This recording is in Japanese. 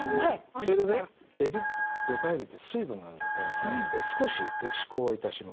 それでねえび魚介類って水分があるので少し打ち粉をいたします。